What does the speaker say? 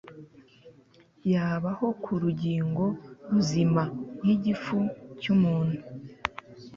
yabaho ku rugingo ruzima nkigifu cyumuntu